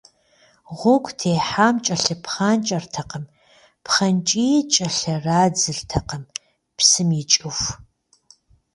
Гъуэгу техьам кӏэлъыпхъанкӏэртэкъым, пхъэнкӏии кӏэлърадзыртэкъым, псым икӏыху.